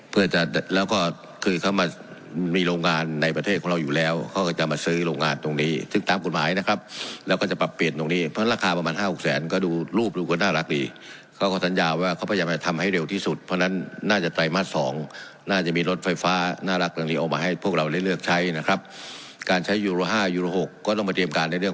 เพื่อจะแล้วก็คือเขามามีโรงงานในประเทศของเราอยู่แล้วเขาก็จะมาซื้อโรงงานตรงนี้ซึ่งตามกฎหมายนะครับแล้วก็จะปรับเปลี่ยนตรงนี้เพราะราคาประมาณห้าหกแสนก็ดูรูปดูก็น่ารักดีเขาก็สัญญาว่าเขาพยายามจะทำให้เร็วที่สุดเพราะฉะนั้นน่าจะไตรมาสสองน่าจะมีรถไฟฟ้าน่ารักตรงนี้ออกมาให้พวกเราได้เลือกใช้นะครับการใช้ยูโรห้ายูโรหกก็ต้องมาเตรียมการในเรื่อง